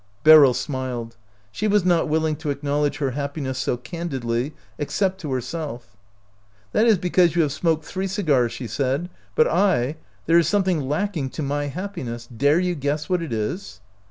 Beryl smiled. She was not willing to ac knowledge her happiness so candidly, except to herself. " That is because you have smoked three cigars," she said ;" but I — there is some thing lacking to my happiness; dare you guess what it is